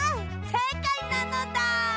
せいかいなのだ！